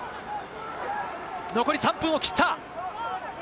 残り３分を切った！